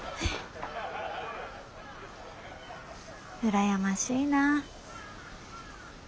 羨ましいな。